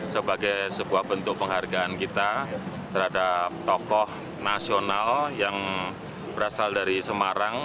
sebagai sebuah bentuk penghargaan kita terhadap tokoh nasional yang berasal dari semarang